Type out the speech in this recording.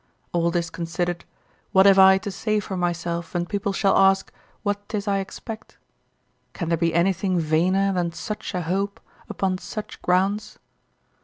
All this considered, what have I to say for myself when people shall ask, what 'tis I expect? Can there be anything vainer than such a hope upon such grounds?